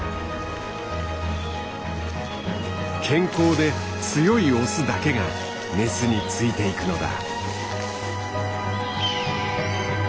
健康で強いオスだけがメスについていくのだ。